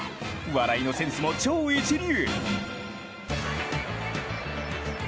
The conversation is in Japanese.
笑いのセンスも超一流。